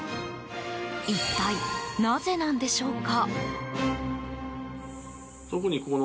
一体、なぜなんでしょうか。